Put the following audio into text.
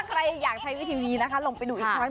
ถ้าใครอยากใช้วิธีนี้ลงไปดูอีกครั้ง